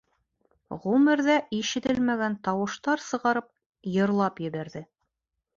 Ғүмерҙә ишетелмәгән тауыштар сығарып, йырлап ебәрҙе.